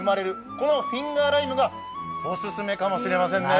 このフィンガーライムがオススメかもしれませんね。